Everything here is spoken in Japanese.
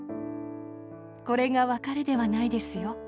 これが別れではないですよ。